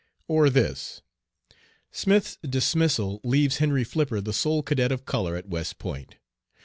Or this: "Smith's dismissal leaves Henry Flipper the sole cadet of color at West Point.